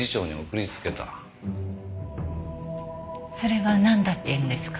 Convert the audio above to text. それがなんだっていうんですか？